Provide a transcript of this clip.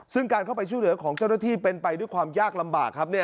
ซึ่งการเข้าไปช่วยเหลือของเจ้าหน้าที่เป็นไปด้วยความยากลำบากครับ